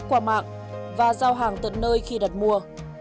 hàng loạt kết quả mạng và giao hàng tận nơi khi đặt mua